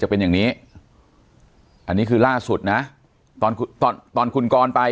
เป็นอย่างนี้อันนี้คือล่าสุดนะตอนตอนคุณกรไป